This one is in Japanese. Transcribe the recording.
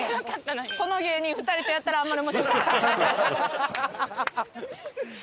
この芸人２人とやったらあんまり面白くない。